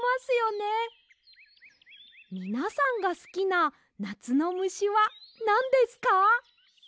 みなさんがすきななつのむしはなんですか？